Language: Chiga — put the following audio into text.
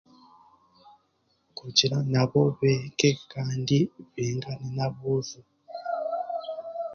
Kugira nabo beege kandi baingane n'aboojo